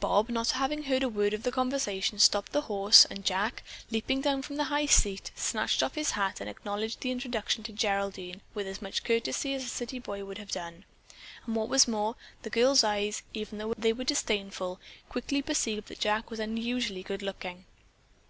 Bob, not having heard a word of the conversation, stopped the horse, and Jack, leaping down from the high seat, snatched off his hat and acknowledged the introduction to Geraldine with as much courtesy as a city boy would have done; and what was more, the girl's eyes, even though they were disdainful, quickly perceived that Jack was unusually good looking.